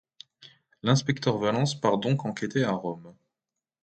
L'inspecteur Valence part donc enquêter à Rome.